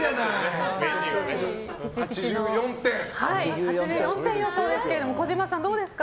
８４点予想ですけど児嶋さん、どうですか？